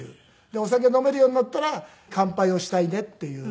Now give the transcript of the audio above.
でお酒を飲めるようになったら乾杯をしたいねっていう。